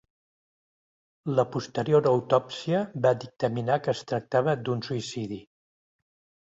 La posterior autòpsia va dictaminar que es tractava d'un suïcidi.